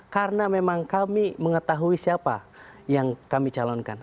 karena memang kami mengetahui siapa yang kami calonkan